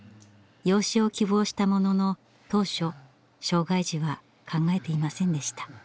養子を希望したものの当初障害児は考えていませんでした。